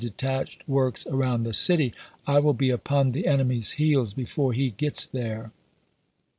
detached works around the city, I will be upon the p. 132." enemy's heels before he gets there."